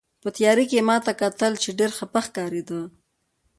په تیارې کې یې ما ته کتل، چې ډېره خپه ښکارېده.